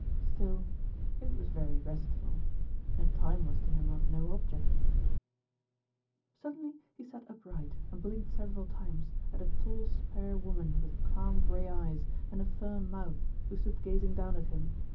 Still, it was very restful, and time was to him of no object Suddenly he sat upright and blinked several times at a tall spare woman with calm grey eyes and a firm mouth, who stood gazing down at him.